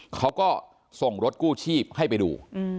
เขาก็ส่งรถกู้ชีพให้ไปดู